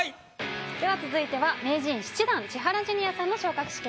では続いては名人７段千原ジュニアさんの昇格試験です。